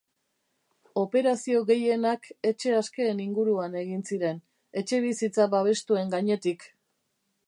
Operazio gehienak etxe askeen inguruan egin ziren, etxebizitza babestuen gainetik.